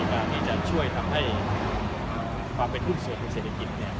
การที่จะช่วยทำให้ความเป็นหุ้นส่วนทางเศรษฐกิจ